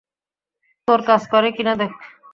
তোর কাজ করে কিনা দেখ।